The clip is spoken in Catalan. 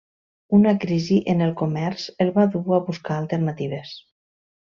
Una crisi en el comerç el va dur a buscar alternatives.